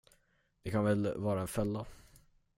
Det kan väl vara en fälla?